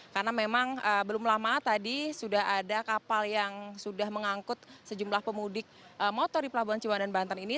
karena memang belum lama tadi sudah ada kapal yang sudah mengangkut sejumlah pemudik motor di pelabuhan ciwan dan banten ini